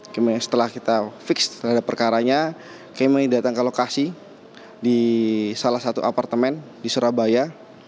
kemudian setelah kita fix terhadap perkaranya kemo datang ke lokasi di salah satu apartemen di surabaya